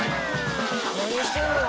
何してんのやろ。